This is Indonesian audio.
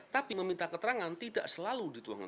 tapi meminta keterangan tidak selalu dituangkan